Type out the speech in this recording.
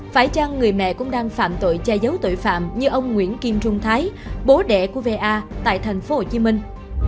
phải chăng người mẹ cũng đang phạm tội che giấu tội phạm như ông nguyễn kim trung thái bố đẻ của va tại thành phố hồ chí minh